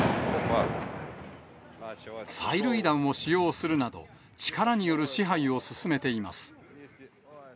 催涙弾を使用するなど、力による支配を進めています。